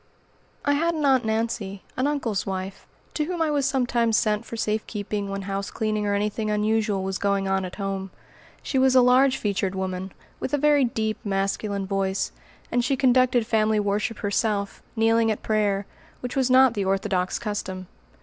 I had an "Aunt Nancy," an uncle's wife, to whom I was sometimes sent for safe keeping when house cleaning or anything unusual was going on at home. She was a large featured woman, with a very deep masculine voice, and she conducted family worship herself, kneeling at prayer, which was not the Orthodox custom.